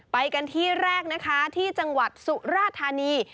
ไปกันที่แรกนะคะที่จังหวัดสุราธานี